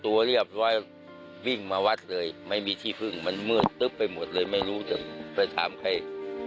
ตัวเรียบร้อยวิ่งมาวัดเลยไม่มีที่พึ่งมันมืดตึ๊บไปหมดเลยไม่รู้จะไปถามใคร